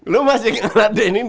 lo masih enggak nge add in in